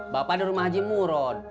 bapak di rumah haji muron